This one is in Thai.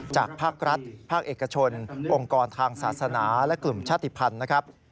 ภาครัฐภาคเอกชนองค์กรทางศาสนาและกลุ่มชาติภัณฑ์นะครับ